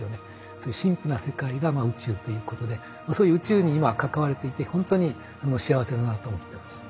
そういう神秘な世界が宇宙ということでそういう宇宙に今関われていてほんとに幸せだなと思ってます。